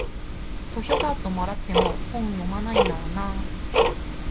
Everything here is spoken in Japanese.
図書カードもらっても本読まないんだよなあ